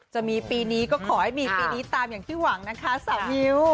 จะมีปีนี้ก็ขอให้มีปีนี้ตามอย่างที่หวังนะคะสาวมิ้ว